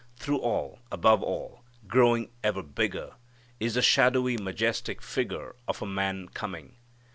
Through all, above all, growing ever bigger, is the shadowy majestic figure of _a Man coming.